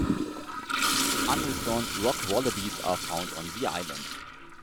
Unadorned rock-wallabies are found on the island.